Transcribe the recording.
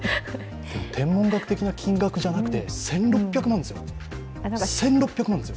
天文学的な金額じゃなくて、１６００万円ですよ、１６００万円ですよ。